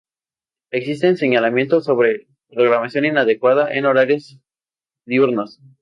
Existen señalamientos sobre programación inadecuada en horarios diurnos.